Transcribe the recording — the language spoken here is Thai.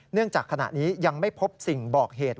จากขณะนี้ยังไม่พบสิ่งบอกเหตุ